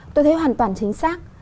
tôi thấy hoàn toàn chính xác